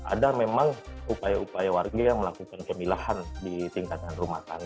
ada memang upaya upaya warga yang melakukan pemilahan di tingkatan rumah tangga